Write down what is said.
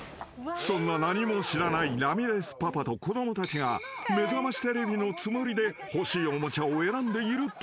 ［そんな何も知らないラミレスパパと子供たちが『めざましテレビ』のつもりで欲しいおもちゃを選んでいると］